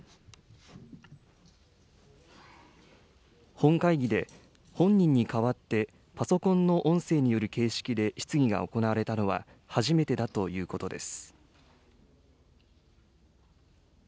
本会議で、本人に代わってパソコンの音声による形式で質疑が行われたのは初めてだということです。